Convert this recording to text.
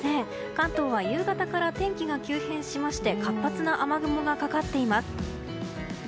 関東は夕方から天気が急変しまして活発な雨雲がかかっています。